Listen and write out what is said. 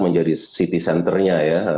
menjadi city centernya ya